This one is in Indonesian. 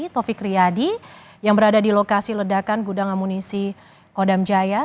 taufik riyadi yang berada di lokasi ledakan gudang amunisi kodam jaya